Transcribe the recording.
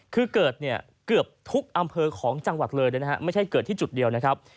คือเกิดเนี่ยเกือบทุกอำเภอของจังหวัดเลยนะฮะไม่ใช่เกิดที่จุดเดียวนะครับ